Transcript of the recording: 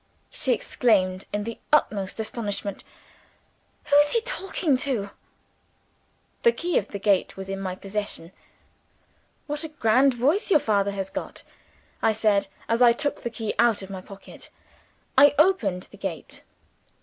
she exclaimed in the utmost astonishment. "Who is he talking to?" The key of the gate was in my possession. "What a grand voice your father has got!" I said, as I took the key out of my pocket. I opened the gate.